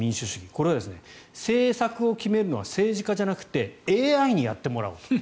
これは政策を決めるのは政治家じゃなくてＡＩにやってもらおう。